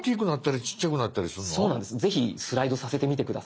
ぜひスライドさせてみて下さい。